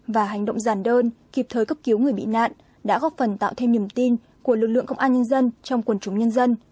và hành động giản đơn kịp thời cấp cứu người bị nạn đã góp phần tạo thêm niềm tin của lực lượng công an nhân dân trong quần chúng nhân dân